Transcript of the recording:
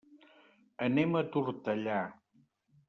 Anem a Tortellà.